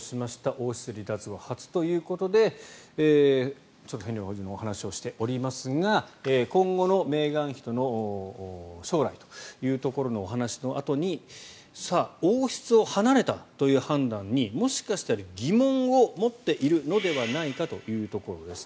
王室離脱後初ということでヘンリー王子のお話をしておりますが今後のメーガン妃との将来というところのお話のあとに王室を離れたという判断にもしかしたら疑問を持っているのではないかというところです。